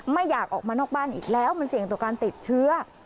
ไม่อยากออกมานอกบ้านอีกแล้วมันเสี่ยงต่อการติดเชื้อ